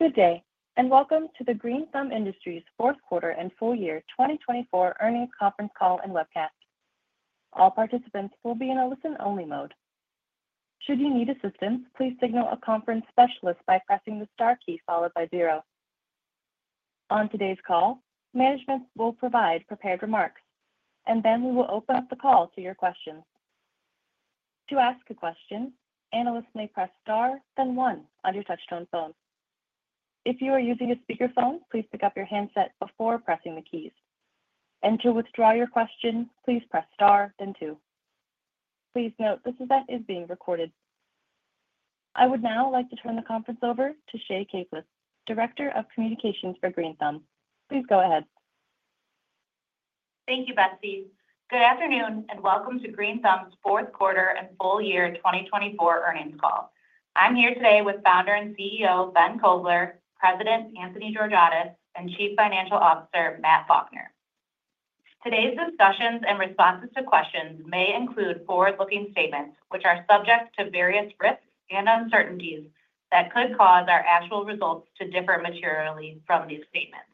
Good day, and welcome to the Green Thumb Industries fourth quarter and full year 2024 Earnings Conference Call and Webcast. All participants will be in a listen-only mode. Should you need assistance, please signal a conference specialist by pressing the star key followed by zero. On today's call, management will provide prepared remarks, and then we will open up the call to your questions. To ask a question, analysts may press star, then one, on your touch-tone phone. If you are using a speakerphone, please pick up your handset before pressing the keys. And to withdraw your question, please press star, then two. Please note this event is being recorded. I would now like to turn the conference over to Shay Caplice, Director of Communications for Green Thumb. Please go ahead. Thank you, Betsy. Good afternoon, and welcome to Green Thumb's fourth quarter and full year 2024 Earnings Call. I'm here today with founder and CEO Ben Kovler, President Anthony Georgiadis, and Chief Financial Officer Matt Faulkner. Today's discussions and responses to questions may include forward-looking statements, which are subject to various risks and uncertainties that could cause our actual results to differ materially from these statements.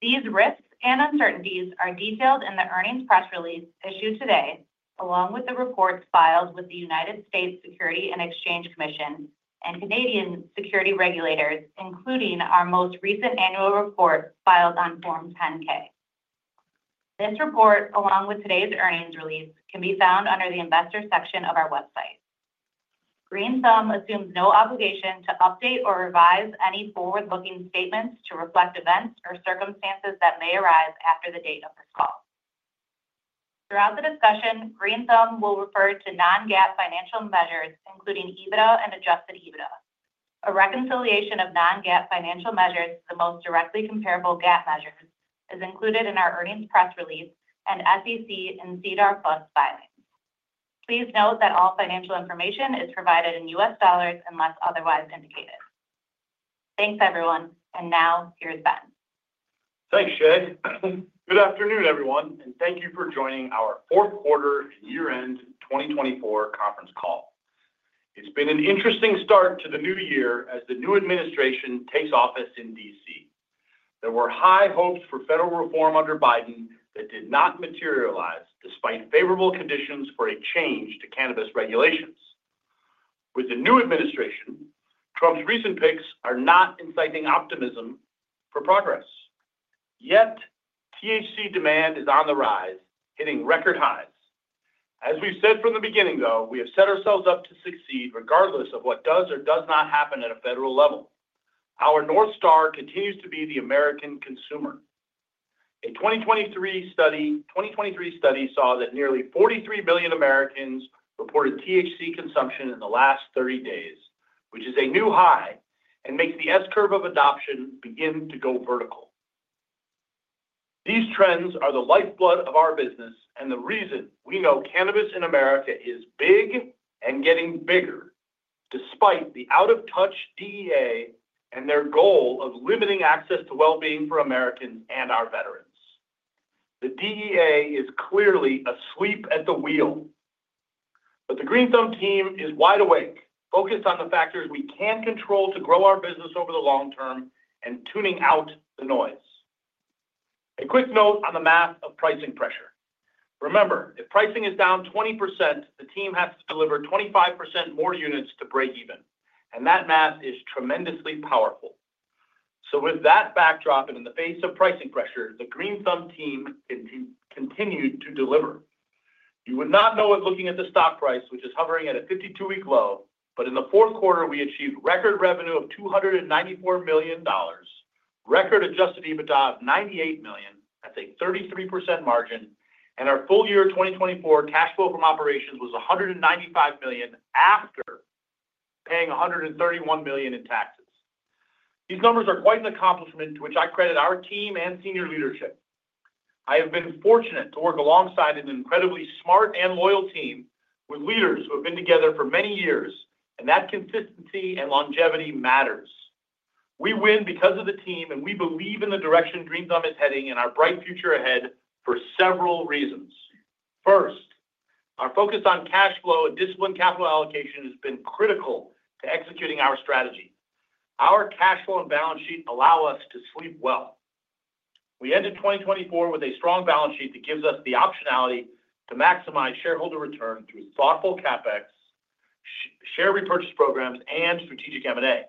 These risks and uncertainties are detailed in the earnings press release issued today, along with the reports filed with the United States Securities and Exchange Commission and Canadian security regulators, including our most recent annual report filed on Form 10-K. This report, along with today's earnings release, can be found under the Investor section of our website. Green Thumb assumes no obligation to update or revise any forward-looking statements to reflect events or circumstances that may arise after the date of this call. Throughout the discussion, Green Thumb will refer to non-GAAP financial measures, including EBITDA and Adjusted EBITDA. A reconciliation of non-GAAP financial measures to the most directly comparable GAAP measures is included in our earnings press release and SEC and SEDAR filings. Please note that all financial information is provided in U.S. dollars unless otherwise indicated. Thanks, everyone. And now, here's Ben. Thanks, Shay. Good afternoon, everyone, and thank you for joining our fourth quarter and Year-End 2024 Conference Call. It's been an interesting start to the new year as the new administration takes office in D.C. There were high hopes for federal reform under Biden that did not materialize despite favorable conditions for a change to cannabis regulations. With the new administration, Trump's recent picks are not inciting optimism for progress. Yet, THC demand is on the rise, hitting record highs. As we've said from the beginning, though, we have set ourselves up to succeed regardless of what does or does not happen at a federal level. Our North Star continues to be the American consumer. A 2023 study saw that nearly 43 million Americans reported THC consumption in the last 30 days, which is a new high and makes the S-curve of adoption begin to go vertical. These trends are the lifeblood of our business and the reason we know cannabis in America is big and getting bigger, despite the out-of-touch DEA and their goal of limiting access to well-being for Americans and our veterans. The DEA is clearly asleep at the wheel, but the Green Thumb team is wide awake, focused on the factors we can control to grow our business over the long term and tuning out the noise. A quick note on the math of pricing pressure. Remember, if pricing is down 20%, the team has to deliver 25% more units to break even, and that math is tremendously powerful. So, with that backdrop and in the face of pricing pressure, the Green Thumb team continued to deliver. You would not know it looking at the stock price, which is hovering at a 52-week low, but in the fourth quarter, we achieved record revenue of $294 million, record Adjusted EBITDA of $98 million, that's a 33% margin, and our full year 2024 cash flow from operations was $195 million after paying $131 million in taxes. These numbers are quite an accomplishment to which I credit our team and senior leadership. I have been fortunate to work alongside an incredibly smart and loyal team with leaders who have been together for many years, and that consistency and longevity matters. We win because of the team, and we believe in the direction Green Thumb is heading and our bright future ahead for several reasons. First, our focus on cash flow and disciplined capital allocation has been critical to executing our strategy. Our cash flow and balance sheet allow us to sleep well. We ended 2024 with a strong balance sheet that gives us the optionality to maximize shareholder return through thoughtful CapEx, share repurchase programs, and strategic M&A.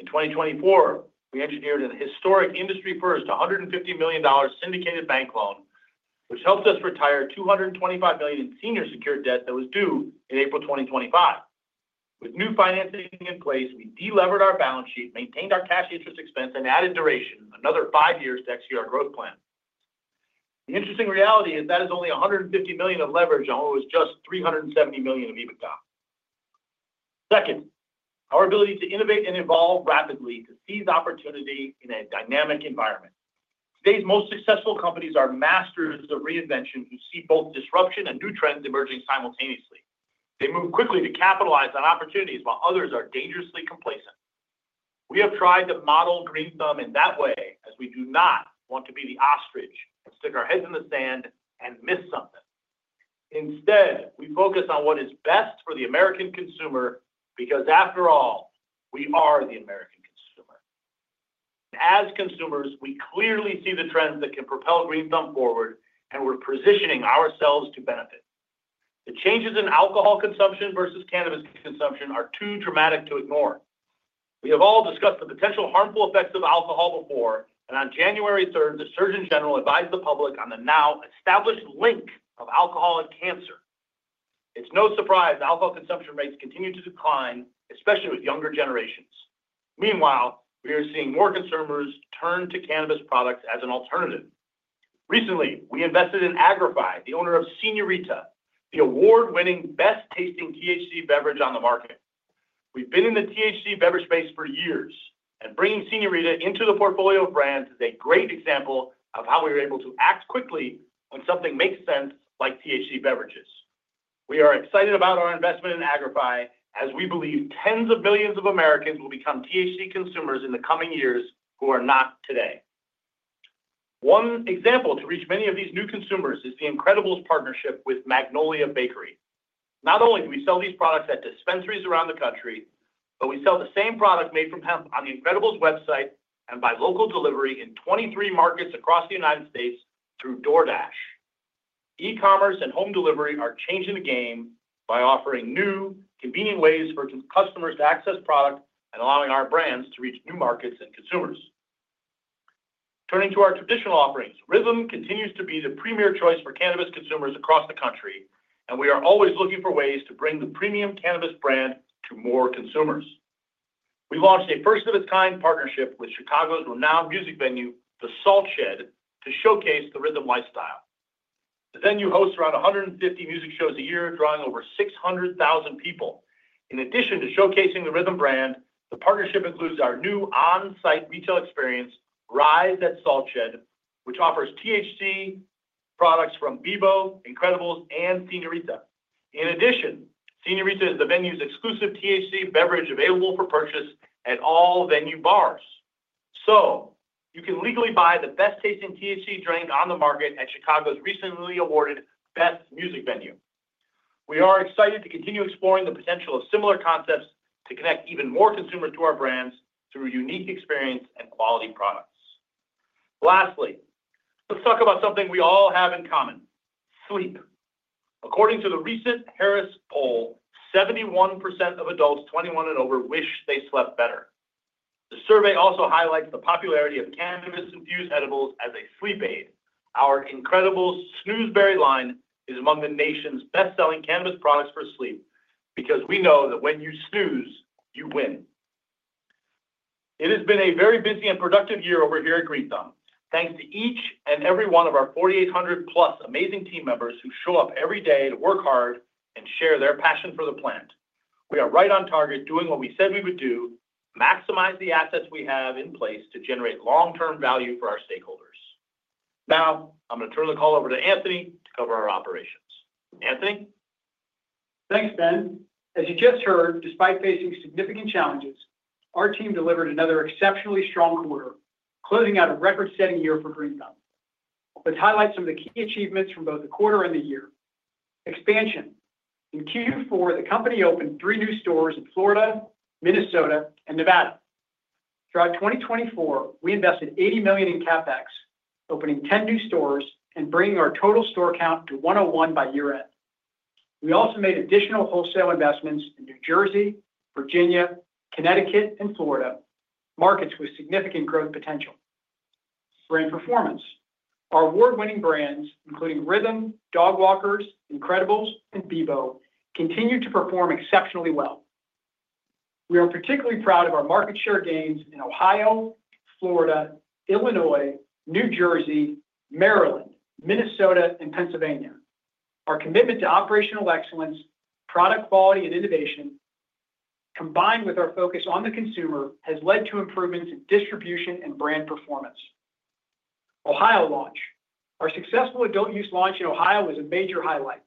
In 2024, we engineered a historic industry-first $150 million syndicated bank loan, which helped us retire $225 million in senior secured debt that was due in April 2025. With new financing in place, we delevered our balance sheet, maintained our cash interest expense, and added duration, another five years, to execute our growth plan. The interesting reality is that is only $150 million of leverage on what was just $370 million of EBITDA. Second, our ability to innovate and evolve rapidly to seize opportunity in a dynamic environment. Today's most successful companies are masters of reinvention who see both disruption and new trends emerging simultaneously. They move quickly to capitalize on opportunities while others are dangerously complacent. We have tried to model Green Thumb in that way as we do not want to be the ostrich and stick our heads in the sand and miss something. Instead, we focus on what is best for the American consumer because, after all, we are the American consumer. As consumers, we clearly see the trends that can propel Green Thumb forward, and we're positioning ourselves to benefit. The changes in alcohol consumption versus cannabis consumption are too dramatic to ignore. We have all discussed the potential harmful effects of alcohol before, and on January 3rd, the Surgeon General advised the public on the now-established link of alcohol and cancer. It's no surprise alcohol consumption rates continue to decline, especially with younger generations. Meanwhile, we are seeing more consumers turn to cannabis products as an alternative. Recently, we invested in Agri-Fi, the owner of Señorita, the award-winning best-tasting THC beverage on the market. We've been in the THC beverage space for years, and bringing Señorita into the portfolio of brands is a great example of how we were able to act quickly when something makes sense, like THC beverages. We are excited about our investment in Agri-Fi as we believe tens of millions of Americans will become THC consumers in the coming years who are not today. One example to reach many of these new consumers is the Incredibles partnership with Magnolia Bakery. Not only do we sell these products at dispensaries around the country, but we sell the same product made from hemp on the Incredibles website and by local delivery in 23 markets across the United States through DoorDash. E-commerce and home delivery are changing the game by offering new, convenient ways for customers to access product and allowing our brands to reach new markets and consumers. Turning to our traditional offerings, RYTHM continues to be the premier choice for cannabis consumers across the country, and we are always looking for ways to bring the premium cannabis brand to more consumers. We launched a first-of-its-kind partnership with Chicago's renowned music venue, The Salt Shed, to showcase the RYTHM lifestyle. The venue hosts around 150 music shows a year, drawing over 600,000 people. In addition to showcasing the RYTHM brand, the partnership includes our new on-site retail experience, RISE at Salt Shed, which offers THC products from Beboe, Incredibles, and Señorita. In addition, Señorita is the venue's exclusive THC beverage available for purchase at all venue bars. So, you can legally buy the best-tasting THC drink on the market at Chicago's recently awarded Best Music Venue. We are excited to continue exploring the potential of similar concepts to connect even more consumers to our brands through unique experience and quality products. Lastly, let's talk about something we all have in common: sleep. According to the recent Harris poll, 71% of adults 21 and over wish they slept better. The survey also highlights the popularity of cannabis-infused edibles as a sleep aid. Our Incredibles Snoozeberry line is among the nation's best-selling cannabis products for sleep because we know that when you snooze, you win. It has been a very busy and productive year over here at Green Thumb, thanks to each and every one of our 4,800-plus amazing team members who show up every day to work hard and share their passion for the plant. We are right on target, doing what we said we would do, maximize the assets we have in place to generate long-term value for our stakeholders. Now, I'm going to turn the call over to Anthony to cover our operations. Anthony? Thanks, Ben. As you just heard, despite facing significant challenges, our team delivered another exceptionally strong quarter, closing out a record-setting year for Green Thumb. Let's highlight some of the key achievements from both the quarter and the year. Expansion: In Q4, the company opened three new stores in Florida, Minnesota, and Nevada. Throughout 2024, we invested $80 million in CapEx, opening 10 new stores and bringing our total store count to 101 by year-end. We also made additional wholesale investments in New Jersey, Virginia, Connecticut, and Florida, markets with significant growth potential. Brand performance: Our award-winning brands, including RYTHM, Dogwalkers, Incredibles, and Beboe, continue to perform exceptionally well. We are particularly proud of our market share gains in Ohio, Florida, Illinois, New Jersey, Maryland, Minnesota, and Pennsylvania. Our commitment to operational excellence, product quality, and innovation, combined with our focus on the consumer, has led to improvements in distribution and brand performance. Ohio launch: Our successful adult-use launch in Ohio was a major highlight.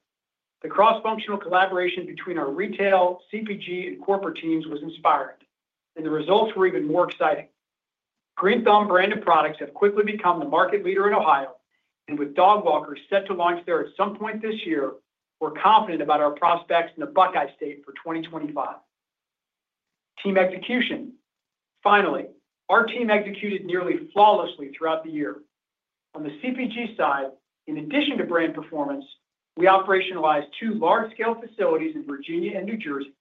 The cross-functional collaboration between our retail, CPG, and corporate teams was inspiring, and the results were even more exciting. Green Thumb branded products have quickly become the market leader in Ohio, and with Dogwalkers set to launch there at some point this year, we're confident about our prospects in the Buckeye State for 2025. Team execution: Finally, our team executed nearly flawlessly throughout the year. On the CPG side, in addition to brand performance, we operationalized two large-scale facilities in Virginia and New Jersey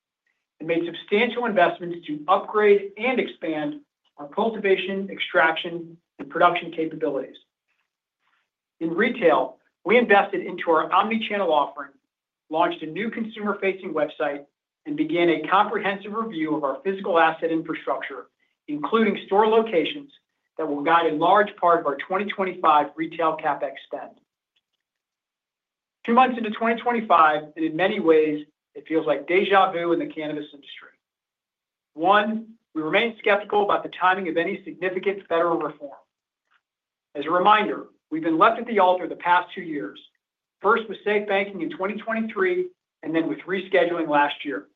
and made substantial investments to upgrade and expand our cultivation, extraction, and production capabilities. In retail, we invested into our omnichannel offering, launched a new consumer-facing website, and began a comprehensive review of our physical asset infrastructure, including store locations that will guide a large part of our 2025 retail CapEx spend. Two months into 2025, and in many ways, it feels like déjà vu in the cannabis industry. One, we remain skeptical about the timing of any significant federal reform. As a reminder, we've been left at the altar the past two years, first with SAFE Banking in 2023 and then with rescheduling last year.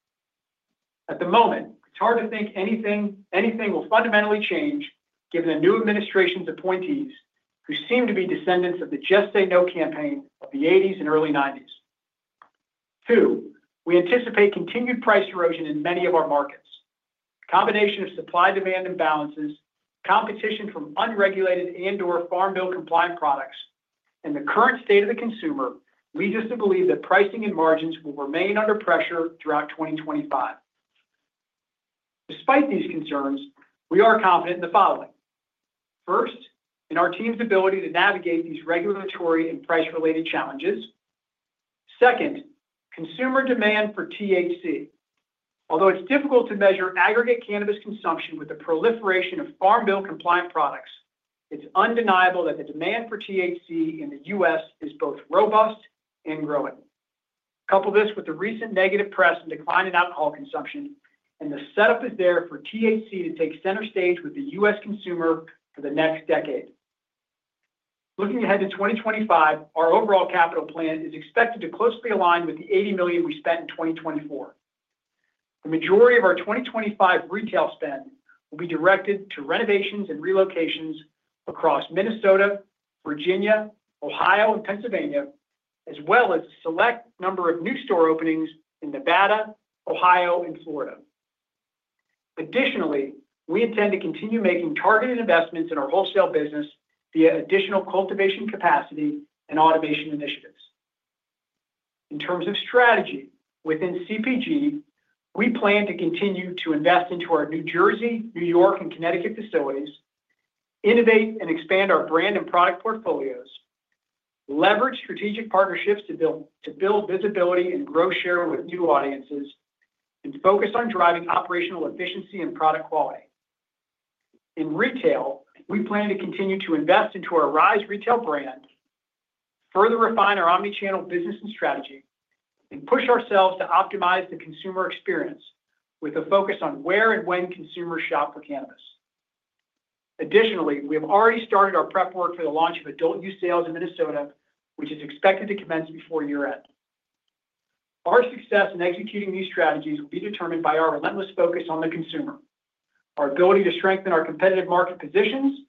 At the moment, it's hard to think anything will fundamentally change given the new administration's appointees, who seem to be descendants of the Just Say No campaign of the '80s and early '90s. Two, we anticipate continued price erosion in many of our markets. A combination of supply-demand imbalances, competition from unregulated and/or Farm Bill-compliant products, and the current state of the consumer leads us to believe that pricing and margins will remain under pressure throughout 2025. Despite these concerns, we are confident in the following: first, in our team's ability to navigate these regulatory and price-related challenges. Second, consumer demand for THC. Although it's difficult to measure aggregate cannabis consumption with the proliferation of Farm Bill-compliant products, it's undeniable that the demand for THC in the U.S. is both robust and growing. Couple this with the recent negative press and decline in alcohol consumption, and the setup is there for THC to take center stage with the U.S. consumer for the next decade. Looking ahead to 2025, our overall capital plan is expected to closely align with the $80 million we spent in 2024. The majority of our 2025 retail spend will be directed to renovations and relocations across Minnesota, Virginia, Ohio, and Pennsylvania, as well as a select number of new store openings in Nevada, Ohio, and Florida. Additionally, we intend to continue making targeted investments in our wholesale business via additional cultivation capacity and automation initiatives. In terms of strategy, within CPG, we plan to continue to invest into our New Jersey, New York, and Connecticut facilities, innovate and expand our brand and product portfolios, leverage strategic partnerships to build visibility and grow share with new audiences, and focus on driving operational efficiency and product quality. In retail, we plan to continue to invest into our RISE retail brand, further refine our omnichannel business and strategy, and push ourselves to optimize the consumer experience with a focus on where and when consumers shop for cannabis. Additionally, we have already started our prep work for the launch of adult-use sales in Minnesota, which is expected to commence before year-end. Our success in executing these strategies will be determined by our relentless focus on the consumer, our ability to strengthen our competitive market positions,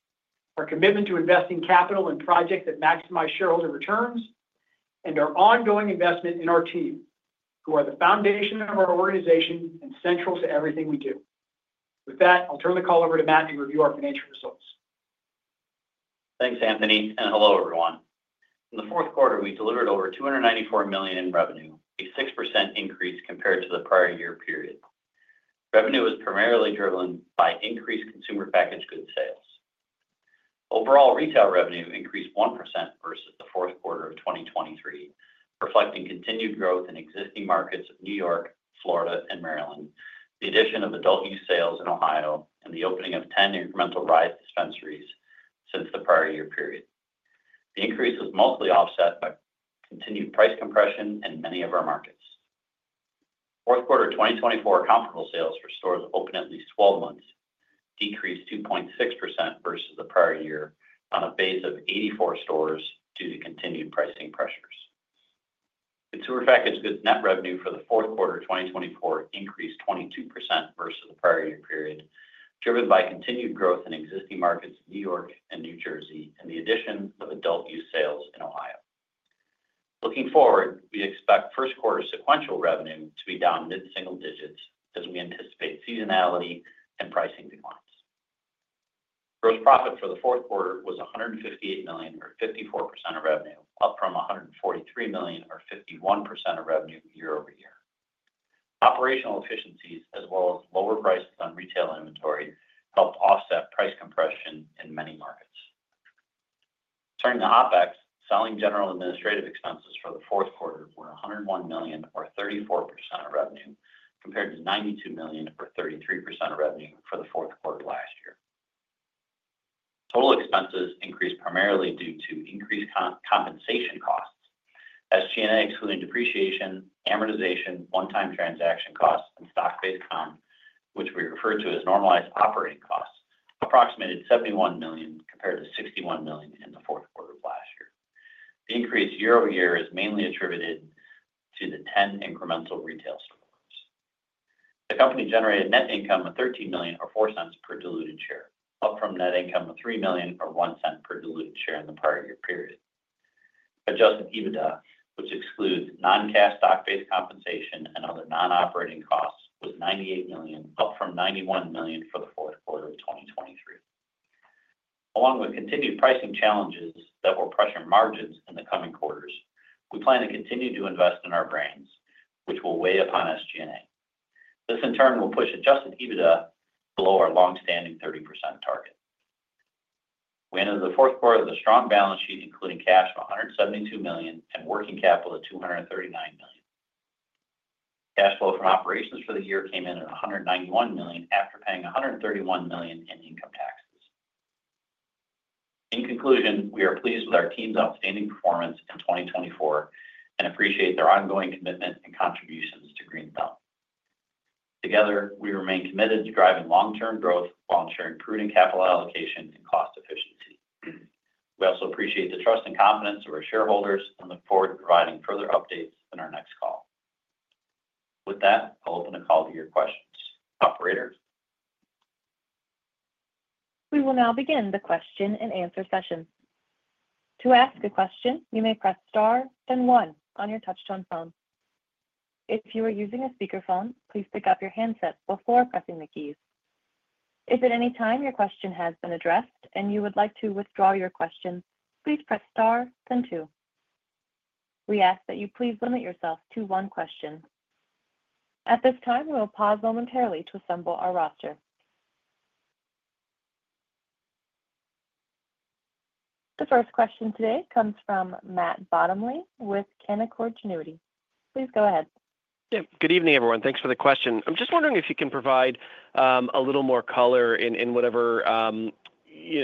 our commitment to investing capital in projects that maximize shareholder returns, and our ongoing investment in our team, who are the foundation of our organization and central to everything we do. With that, I'll turn the call over to Matt and review our financial results. Thanks, Anthony, and hello, everyone. In the fourth quarter, we delivered over $294 million in revenue, a 6% increase compared to the prior year period. Revenue was primarily driven by increased consumer packaged goods sales. Overall retail revenue increased 1% versus the fourth quarter of 2023, reflecting continued growth in existing markets of New York, Florida, and Maryland, the addition of adult-use sales in Ohio, and the opening of 10 incremental RISE dispensaries since the prior year period. The increase was mostly offset by continued price compression in many of our markets. Fourth quarter 2024 comparable sales for stores open at least 12 months decreased 2.6% versus the prior year on a base of 84 stores due to continued pricing pressures. Consumer packaged goods net revenue for the fourth quarter 2024 increased 22% versus the prior year period, driven by continued growth in existing markets in New York and New Jersey and the addition of adult-use sales in Ohio. Looking forward, we expect first quarter sequential revenue to be down mid-single digits as we anticipate seasonality and pricing declines. Gross profit for the fourth quarter was $158 million, or 54% of revenue, up from $143 million, or 51% of revenue year over year. Operational efficiencies, as well as lower prices on retail inventory, helped offset price compression in many markets. Turning to OpEx, selling general administrative expenses for the fourth quarter were $101 million, or 34% of revenue, compared to $92 million, or 33% of revenue for the fourth quarter last year. Total expenses increased primarily due to increased compensation costs. SG&A excluding depreciation, amortization, one-time transaction costs, and stock-based comp, which we refer to as normalized operating costs, approximated $71 million compared to $61 million in the fourth quarter of last year. The increase year over year is mainly attributed to the 10 incremental retail stores. The company generated net income of $13 million, or $0.04 per diluted share, up from net income of $3 million, or $0.01 per diluted share in the prior year period. Adjusted EBITDA, which excludes non-cash stock-based compensation and other non-operating costs, was $98 million, up from $91 million for the fourth quarter of 2023. Along with continued pricing challenges that will pressure margins in the coming quarters, we plan to continue to invest in our brands, which will weigh upon SG&A. This, in turn, will push Adjusted EBITDA below our long-standing 30% target. We entered the fourth quarter with a strong balance sheet, including cash of $172 million and working capital of $239 million. Cash flow from operations for the year came in at $191 million after paying $131 million in income taxes. In conclusion, we are pleased with our team's outstanding performance in 2024 and appreciate their ongoing commitment and contributions to Green Thumb. Together, we remain committed to driving long-term growth while ensuring prudent capital allocation and cost efficiency. We also appreciate the trust and confidence of our shareholders and look forward to providing further updates in our next call. With that, I'll open the call to hear questions. Operator? We will now begin the question and answer session. To ask a question, you may press star then one on your touch-tone phone. If you are using a speakerphone, please pick up your handset before pressing the keys. If at any time your question has been addressed and you would like to withdraw your question, please press star then two. We ask that you please limit yourself to one question. At this time, we will pause momentarily to assemble our roster. The first question today comes from Matt Bottomley with Canaccord Genuity. Please go ahead. Good evening, everyone. Thanks for the question. I'm just wondering if you can provide a little more color in whatever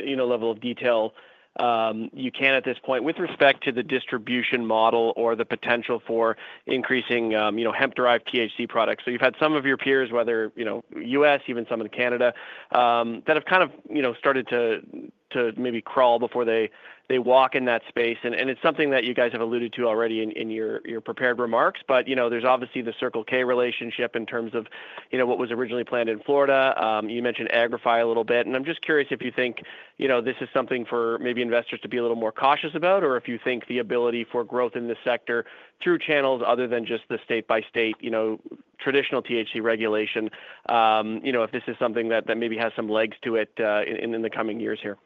level of detail you can at this point with respect to the distribution model or the potential for increasing hemp-derived THC products, so you've had some of your peers, whether U.S., even some in Canada, that have kind of started to maybe crawl before they walk in that space, and it's something that you guys have alluded to already in your prepared remarks, but there's obviously the Circle K relationship in terms of what was originally planned in Florida. You mentioned Agri-Fi a little bit. I'm just curious if you think this is something for maybe investors to be a little more cautious about, or if you think the ability for growth in this sector through channels other than just the state-by-state traditional THC regulation, if this is something that maybe has some legs to it in the coming years here?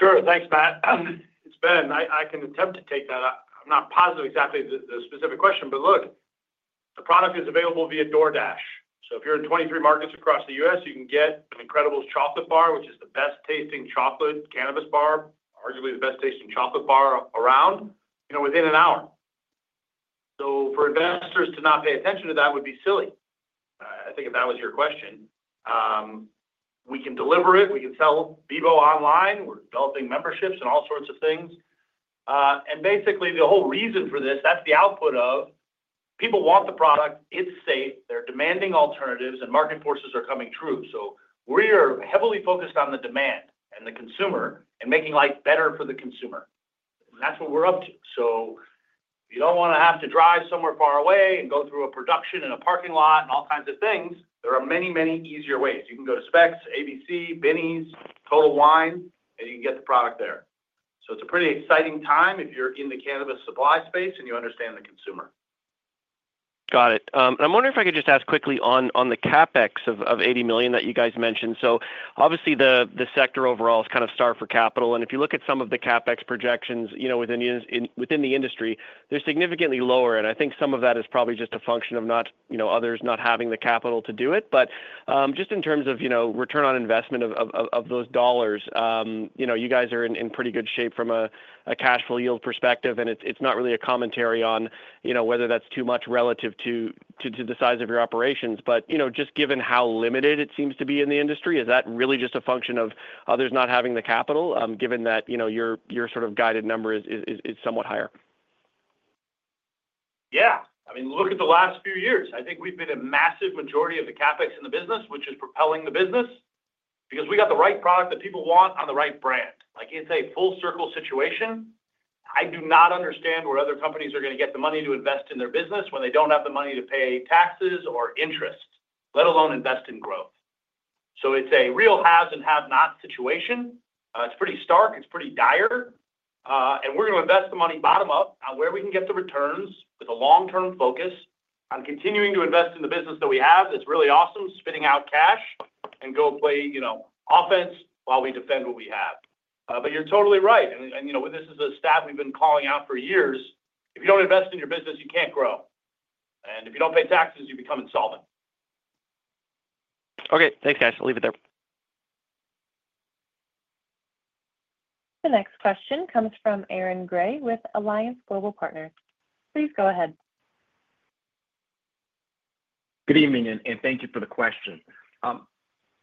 Sure. Thanks, Matt. It's been, I can attempt to take that. I'm not positive exactly the specific question. But look, the product is available via DoorDash. So if you're in 23 markets across the U.S., you can get an Incredibles chocolate bar, which is the best-tasting chocolate cannabis bar, arguably the best-tasting chocolate bar around, within an hour. So for investors to not pay attention to that would be silly. I think if that was your question, we can deliver it. We can sell Beboe online. We're developing memberships and all sorts of things. And basically, the whole reason for this, that's the output of people want the product. It's safe. They're demanding alternatives, and market forces are coming true. So we are heavily focused on the demand and the consumer and making life better for the consumer. And that's what we're up to. So you don't want to have to drive somewhere far away and go through a production in a parking lot and all kinds of things. There are many, many easier ways. You can go to Spec's, ABC, Binny's, Total Wine, and you can get the product there. So it's a pretty exciting time if you're in the cannabis supply space and you understand the consumer. Got it. And I'm wondering if I could just ask quickly on the CapEx of $80 million that you guys mentioned. So obviously, the sector overall is kind of starved for capital. And if you look at some of the CapEx projections within the industry, they're significantly lower. And I think some of that is probably just a function of others not having the capital to do it. But just in terms of return on investment of those dollars, you guys are in pretty good shape from a cash flow yield perspective. And it's not really a commentary on whether that's too much relative to the size of your operations. But just given how limited it seems to be in the industry, is that really just a function of others not having the capital, given that your sort of guidance number is somewhat higher? Yeah. I mean, look at the last few years. I think we've been a massive majority of the CapEx in the business, which is propelling the business, because we got the right product that people want on the right brand. It's a full-circle situation. I do not understand where other companies are going to get the money to invest in their business when they don't have the money to pay taxes or interest, let alone invest in growth. So it's a real have-and-have-not situation. It's pretty stark. It's pretty dire. And we're going to invest the money bottom-up on where we can get the returns with a long-term focus on continuing to invest in the business that we have that's really awesome, spitting out cash, and go play offense while we defend what we have. But you're totally right. And this is a stat we've been calling out for years. If you don't invest in your business, you can't grow. And if you don't pay taxes, you become insolvent. Okay. Thanks, guys. I'll leave it there. The next question comes from Aaron Gray with Alliance Global Partners. Please go ahead. Good evening, and thank you for the question.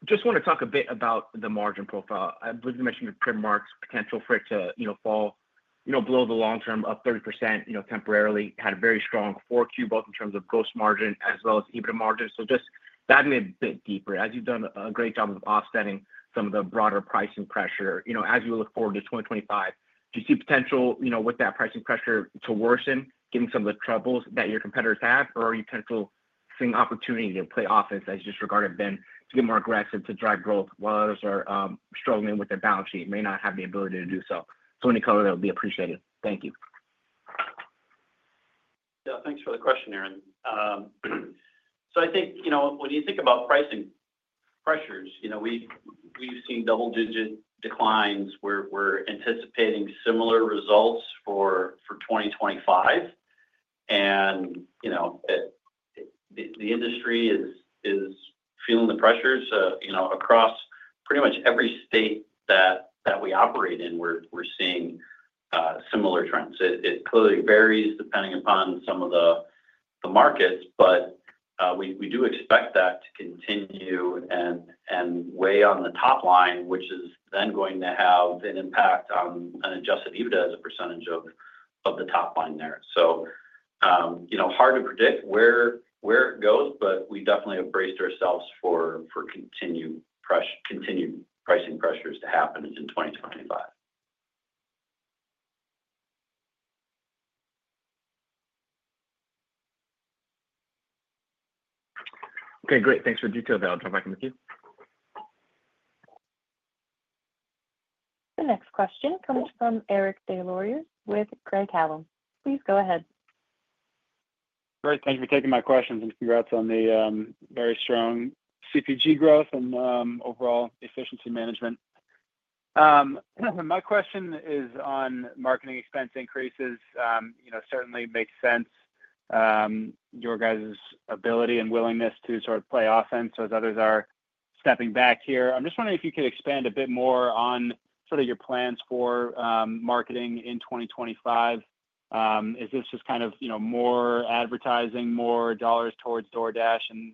Just want to talk a bit about the margin profile. I believe you mentioned your premium margin potential for it to fall below the long-term of 30% temporarily. Had a very strong Q4 both in terms of gross margin as well as EBITDA margin. So just dive in a bit deeper. As you've done a great job of offsetting some of the broader pricing pressure, as you look forward to 2025, do you see potential with that pricing pressure to worsen, getting some of the troubles that your competitors have, or are you potentially seeing opportunity to play offense as you just regarded Ben to get more aggressive to drive growth while others are struggling with their balance sheet and may not have the ability to do so? So any color that would be appreciated. Thank you. Yeah. Thanks for the question, Aaron. So I think when you think about pricing pressures, we've seen double-digit declines. We're anticipating similar results for 2025. And the industry is feeling the pressures. Across pretty much every state that we operate in, we're seeing similar trends. It clearly varies depending upon some of the markets. But we do expect that to continue and weigh on the top line, which is then going to have an impact on Adjusted EBITDA as a percentage of the top line there, so hard to predict where it goes, but we definitely have braced ourselves for continued pricing pressures to happen in 2025. Okay. Great. Thanks for the detail there. I'll jump back in with you. The next question comes from Eric Des Lauriers with Craig-Hallum. Please go ahead. Great. Thank you for taking my questions and congrats on the very strong CPG growth and overall efficiency management. My question is on marketing expense increases. Certainly makes sense, your guys' ability and willingness to sort of play offense as others are stepping back here. I'm just wondering if you could expand a bit more on sort of your plans for marketing in 2025. Is this just kind of more advertising, more dollars towards DoorDash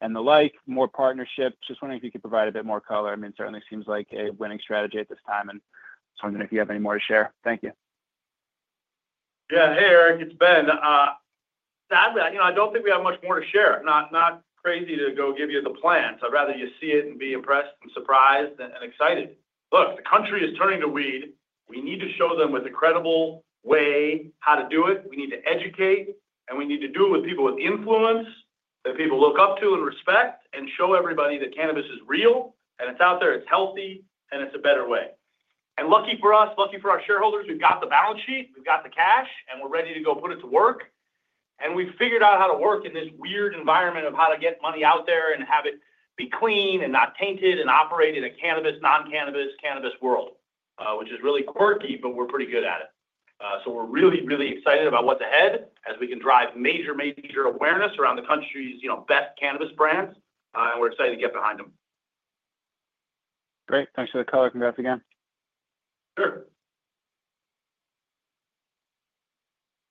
and the like, more partnerships? Just wondering if you could provide a bit more color. I mean, it certainly seems like a winning strategy at this time. And just wondering if you have any more to share. Thank you. Yeah. Hey, Eric. It's Ben. Sadly, I don't think we have much more to share. Not crazy to go give you the plan. So I'd rather you see it and be impressed and surprised and excited. Look, the country is turning to weed. We need to show them with a credible way how to do it. We need to educate, and we need to do it with people with influence that people look up to and respect and show everybody that cannabis is real, and it's out there, it's healthy, and it's a better way, and lucky for us, lucky for our shareholders, we've got the balance sheet, we've got the cash, and we're ready to go put it to work. And we've figured out how to work in this weird environment of how to get money out there and have it be clean and not tainted and operate in a cannabis, non-cannabis, cannabis world, which is really quirky, but we're pretty good at it. So we're really, really excited about what's ahead as we can drive major, major awareness around the country's best cannabis brands. And we're excited to get behind them. Great. Thanks for the color. Congrats again. Sure.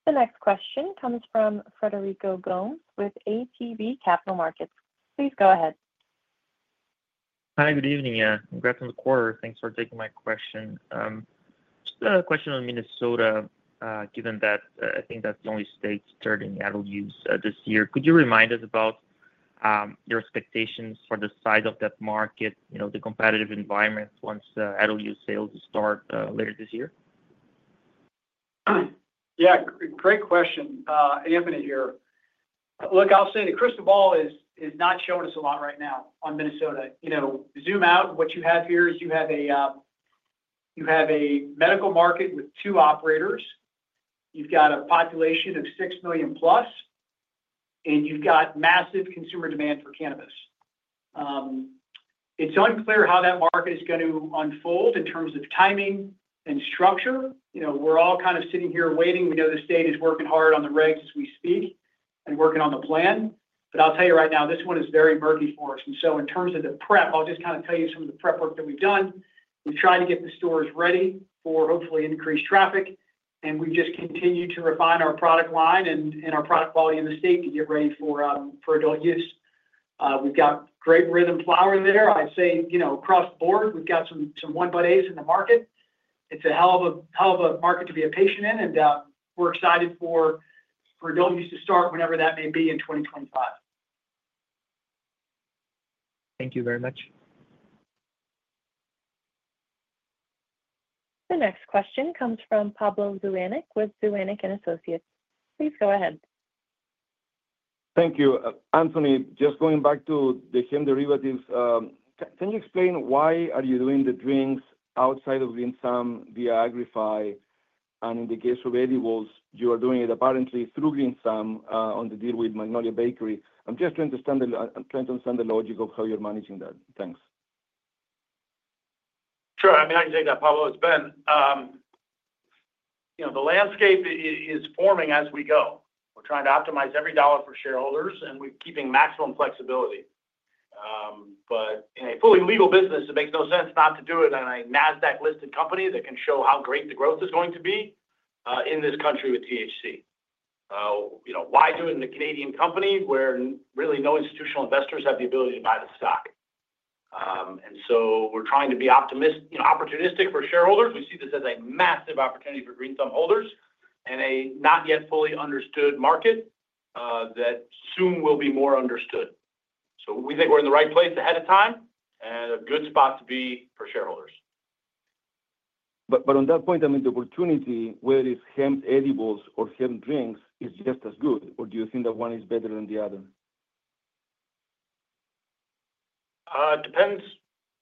The next question comes from Frederico Gomes with ATB Capital Markets. Please go ahead. Hi. Good evening. Congrats on the quarter. Thanks for taking my question. Just a question on Minnesota, given that I think that's the only state starting adult-use this year. Could you remind us about your expectations for the size of that market, the competitive environment once adult-use sales start later this year? Yeah. Great question. Anthony here. Look, I'll say the crystal ball is not showing us a lot right now on Minnesota. Zoom out, what you have here is you have a medical market with two operators. You've got a population of 6 million plus, and you've got massive consumer demand for cannabis. It's unclear how that market is going to unfold in terms of timing and structure. We're all kind of sitting here waiting. We know the state is working hard on the regs as we speak and working on the plan. But I'll tell you right now, this one is very murky for us. And so in terms of the prep, I'll just kind of tell you some of the prep work that we've done. We've tried to get the stores ready for hopefully increased traffic, and we've just continued to refine our product line and our product quality in the state to get ready for adult use. We've got great RYTHM flower there. I'd say across the board, we've got some one-bud A's in the market. It's a hell of a market to be a patient in, and we're excited for adult use to start whenever that may be in 2025. Thank you very much. The next question comes from Pablo Zuanic with Zuanic & Associates. Please go ahead. Thank you. Anthony, just going back to the hemp derivatives, can you explain why are you doing the drinks outside of Green Thumb via Agri-Fi? And in the case of edibles, you are doing it apparently through Green Thumb on the deal with Magnolia Bakery. I'm just trying to understand the logic of how you're managing that. Thanks. Sure. I mean, I can take that, Pablo. It's been. The landscape is forming as we go. We're trying to optimize every dollar for shareholders, and we're keeping maximum flexibility, but in a fully legal business, it makes no sense not to do it on a NASDAQ-listed company that can show how great the growth is going to be in this country with THC. Why do it in a Canadian company where really no institutional investors have the ability to buy the stock, and so we're trying to be opportunistic for shareholders. We see this as a massive opportunity for Green Thumb holders and a not yet fully understood market that soon will be more understood, so we think we're in the right place ahead of time and a good spot to be for shareholders. But on that point, I mean, the opportunity, whether it's hemp edibles or hemp drinks, is just as good, or do you think that one is better than the other? It depends.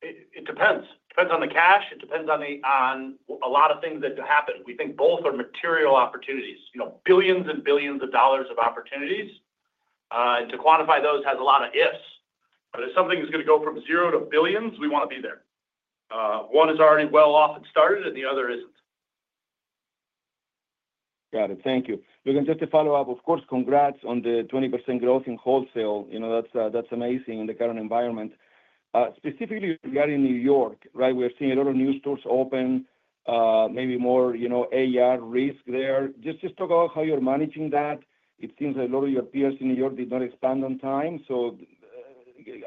It depends. It depends on the cash. It depends on a lot of things that happen. We think both are material opportunities. Billions and billions of dollars of opportunities. And to quantify those has a lot of ifs. But if something's going to go from zero to billions, we want to be there. One is already well off and started, and the other isn't. Got it. Thank you. Look, and just to follow up, of course, congrats on the 20% growth in wholesale. That's amazing in the current environment. Specifically, regarding New York, right, we're seeing a lot of new stores open, maybe more AR risk there. Just talk about how you're managing that. It seems like a lot of your peers in New York did not expand on time. So,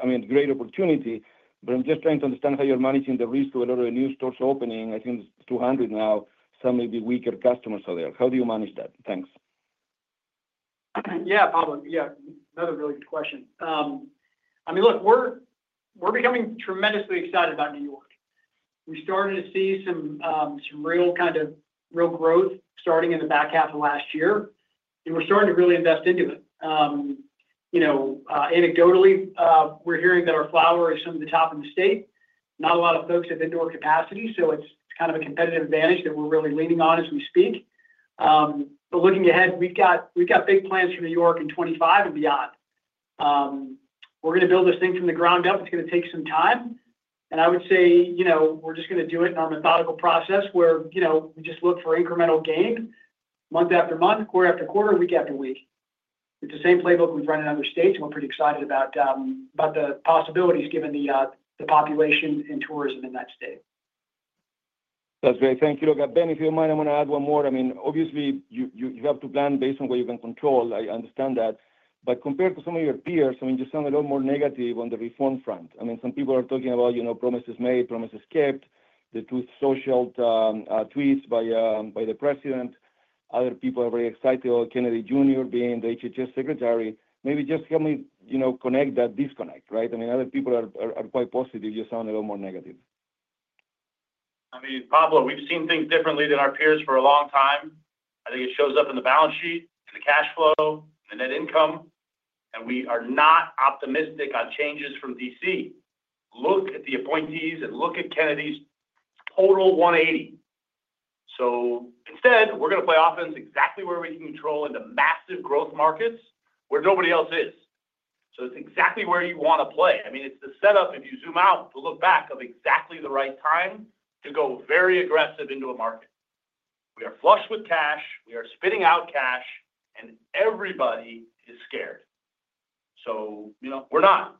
I mean, great opportunity. But I'm just trying to understand how you're managing the risk of a lot of the new stores opening. I think it's 200 now. Some may be weaker customers out there. How do you manage that? Thanks. Yeah, Pablo. Yeah. Another really good question. I mean, look, we're becoming tremendously excited about New York. We started to see some real kind of real growth starting in the back half of last year, and we're starting to really invest into it. Anecdotally, we're hearing that our flower is some of the top in the state. Not a lot of folks have indoor capacity. So it's kind of a competitive advantage that we're really leaning on as we speak. But looking ahead, we've got big plans for New York in 2025 and beyond. We're going to build this thing from the ground up. It's going to take some time. And I would say we're just going to do it in our methodical process where we just look for incremental gain month after month, quarter after quarter, week after week. It's the same playbook we've run in other states, and we're pretty excited about the possibilities given the population and tourism in that state. That's great. Thank you. Look, Ben, if you don't mind, I'm going to add one more. I mean, obviously, you have to plan based on what you can control. I understand that. But compared to some of your peers, I mean, you sound a lot more negative on the reform front. I mean, some people are talking about promises made, promises kept, the two social tweets by the president. Other people are very excited about Kennedy Jr. being the HHS Secretary. Maybe just help me connect that disconnect, right? I mean, other people are quite positive. You sound a lot more negative. I mean, Pablo, we've seen things differently than our peers for a long time. I think it shows up in the balance sheet, in the cash flow, in the net income. And we are not optimistic on changes from D.C. Look at the appointees and look at Kennedy's total 180. So instead, we're going to play offense exactly where we can control in the massive growth markets where nobody else is. So it's exactly where you want to play. I mean, it's the setup, if you zoom out, to look back of exactly the right time to go very aggressive into a market. We are flush with cash. We are spitting out cash, and everybody is scared. So we're not.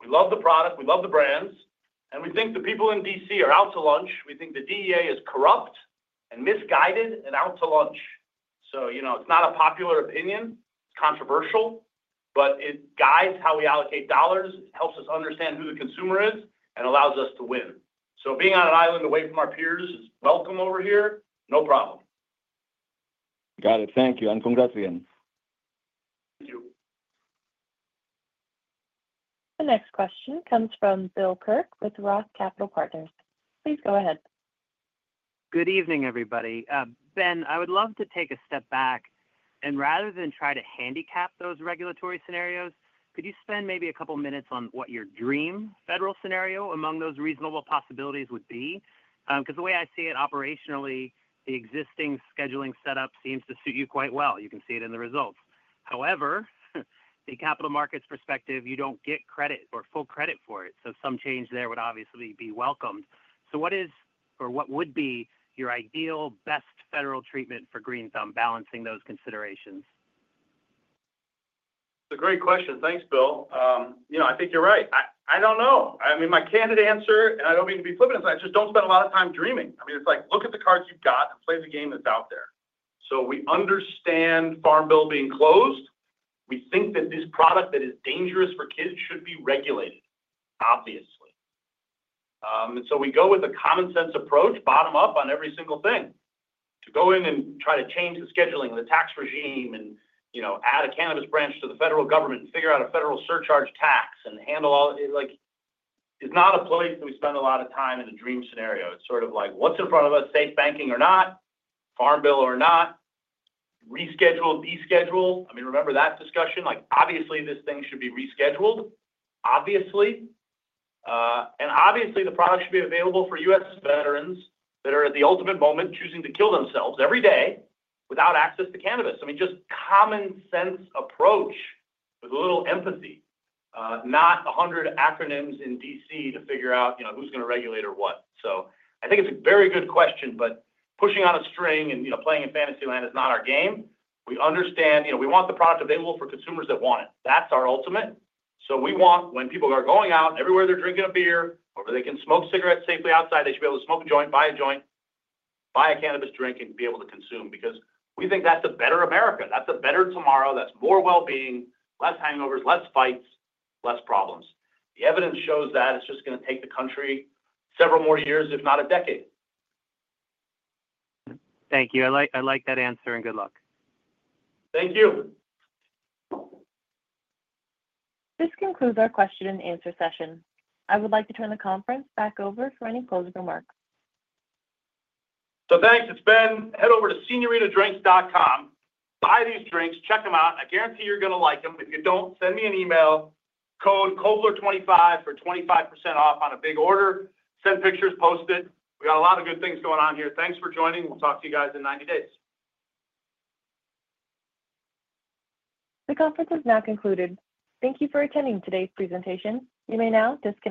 We love the product. We love the brands. And we think the people in D.C. are out to lunch. We think the DEA is corrupt and misguided and out to lunch. So it's not a popular opinion. It's controversial, but it guides how we allocate dollars. It helps us understand who the consumer is and allows us to win. So being on an island away from our peers is welcome over here. No problem. Got it. Thank you. And congrats again. Thank you. The next question comes from Bill Kirk with Roth Capital Partners. Please go ahead. Good evening, everybody. Ben, I would love to take a step back and rather than try to handicap those regulatory scenarios, could you spend maybe a couple of minutes on what your dream federal scenario among those reasonable possibilities would be? Because the way I see it operationally, the existing scheduling setup seems to suit you quite well. You can see it in the results. However, the capital markets perspective, you don't get credit or full credit for it, so some change there would obviously be welcomed, so what is or what would be your ideal best federal treatment for Green Thumb balancing those considerations? It's a great question. Thanks, Bill. I think you're right. I don't know. I mean, my candid answer, and I don't mean to be flippant as I just don't spend a lot of time dreaming. I mean, it's like, look at the cards you've got and play the game that's out there. So we understand Farm Bill being closed. We think that this product that is dangerous for kids should be regulated, obviously. And so we go with a common-sense approach bottom up on every single thing. To go in and try to change the scheduling and the tax regime and add a cannabis branch to the federal government and figure out a federal surcharge tax and handle all. It's not a place that we spend a lot of time in a dream scenario. It's sort of like, what's in front of us? SAFE Banking or not? Farm Bill or not? Reschedule, deschedule. I mean, remember that discussion? Obviously, this thing should be rescheduled. Obviously. And obviously, the product should be available for U.S. veterans that are at the ultimate moment choosing to kill themselves every day without access to cannabis. I mean, just common-sense approach with a little empathy. Not 100 acronyms in D.C. to figure out who's going to regulate or what. So I think it's a very good question, but pushing on a string and playing in fantasy land is not our game. We understand we want the product available for consumers that want it. That's our ultimate. So we want when people are going out everywhere, they're drinking a beer, or they can smoke cigarettes safely outside, they should be able to smoke a joint, buy a joint, buy a cannabis drink, and be able to consume because we think that's a better America. That's a better tomorrow. That's more well-being, less hangovers, less fights, less problems. The evidence shows that it's just going to take the country several more years, if not a decade. Thank you. I like that answer. And good luck. Thank you. This concludes our question and answer session. I would like to turn the conference back over for any closing remarks. Thanks. It's Ben. Head over to señoritadrinks.com. Buy these drinks. Check them out. I guarantee you're going to like them. If you don't, send me an email. Code KOVLER25 for 25% off on a big order. Send pictures. Post it. We got a lot of good things going on here. Thanks for joining. We'll talk to you guys in 90 days. The conference has now concluded. Thank you for attending today's presentation. You may now disconnect.